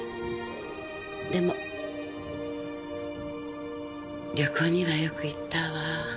でも旅行にはよく行ったわ。